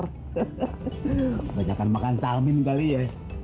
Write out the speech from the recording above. hehehe banyakkan makan salmin kali ya